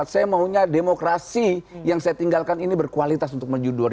saya maunya demokrasi yang saya tinggalkan ini berkualitas untuk maju dua ribu sembilan belas